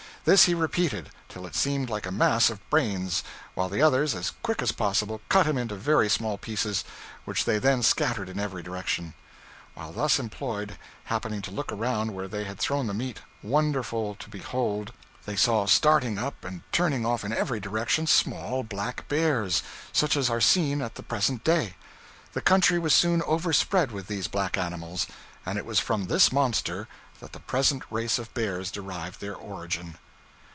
This he repeated, till it seemed like a mass of brains, while the others, as quick as possible, cut him into very small pieces, which they then scattered in every direction. While thus employed, happening to look around where they had thrown the meat, wonderful to behold, they saw starting up and turning off in every direction small black bears, such as are seen at the present day. The country was soon overspread with these black animals. And it was from this monster that the present race of bears derived their origin.